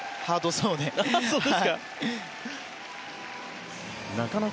そうですね。